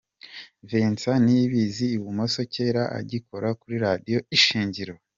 Vincent Niyibizi ibumoso kera agikora kuri Radio Ishingiro.